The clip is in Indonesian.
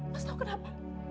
mas tau kenapa